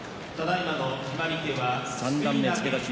三段目付け出し